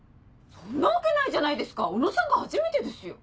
そんなわけないじゃないですか小野さんが初めてですよ。